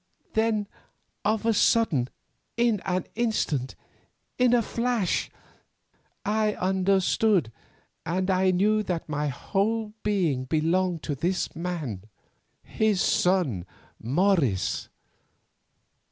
Then of a sudden, in an instant; in a flash; I understood and I knew that my whole being belonged to this man, his son Morris.